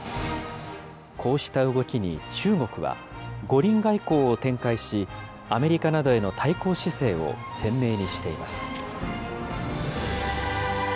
こうした動きに中国は、五輪外交を展開し、アメリカなどへの対抗姿勢を鮮明にしています。